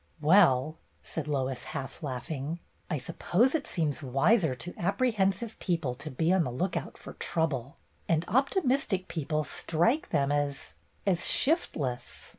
"Well," said Lois, half laughing, "I sup pose it seems wiser to apprehensive people to be on the lookout for trouble, and optimistic people strike them as — as — shiftless.